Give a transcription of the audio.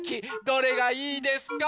どれがいいですか？